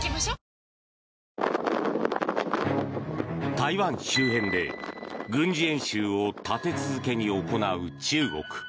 台湾周辺で軍事演習を立て続けに行う中国。